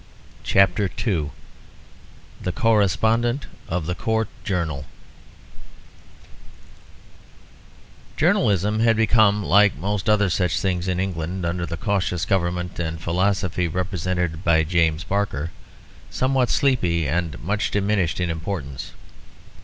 CHAPTER II The Correspondent of the Court Journal Journalism had become, like most other such things in England under the cautious government and philosophy represented by James Barker, somewhat sleepy and much diminished in importance.